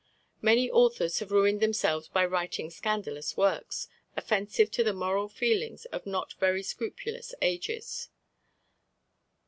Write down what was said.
Many authors have ruined themselves by writing scandalous works, offensive to the moral feelings of not very scrupulous ages.